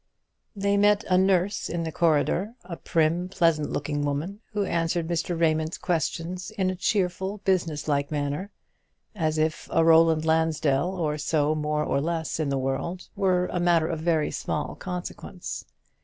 They met a nurse in the corridor; a prim, pleasant looking woman, who answered Mr. Raymond's questions in a cheerful business like manner, as if a Roland Lansdell or so more or less in the world were a matter of very small consequence.